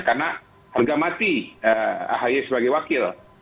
karena harga mati ahi sebagai wakil